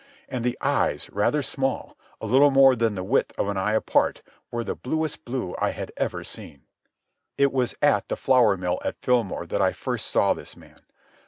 And the eyes, rather small, a little more than the width of an eye apart, were the bluest blue I had ever seen. It was at the flour mill at Fillmore that I first saw this man.